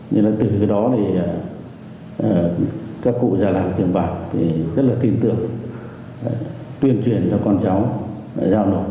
nhưng từ đó thì các cụ ra làng trường bản thì rất là tin tưởng tuyên truyền cho con cháu giao nộp